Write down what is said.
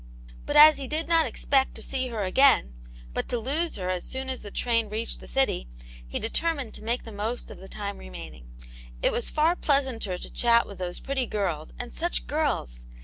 But as he did not expect to see her again, but to lose her a^ soon as the train reached the city, he determined to make the most of the time remaining. It was far pleasanter to chat with those pretty girls, and such girls